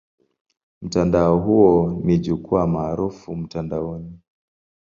Mtandao huo ni jukwaa maarufu mtandaoni.